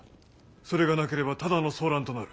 それがなければただの争乱となる。